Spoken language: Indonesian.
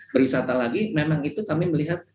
berwisata lagi memang itu kami melihat